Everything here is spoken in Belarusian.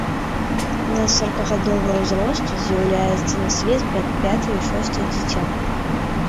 Да саракагадовага ўзросту з'яўляюцца на свет пятае і шостае дзіця.